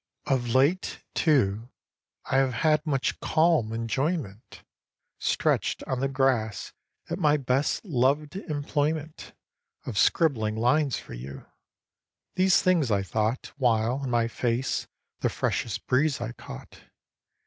Of late, too, I have had much calm enjoyment, Stretch'd on the grass at my best loved employment Of scribbling lines for you. These things I thought While, in my face, the freshest breeze I caught.